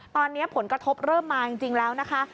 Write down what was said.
ตอนนี้ผลกระทบเริ่มมาจริงแล้วนะคะ